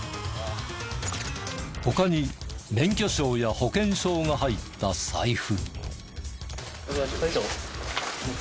他に免許証や保険証が入った財布。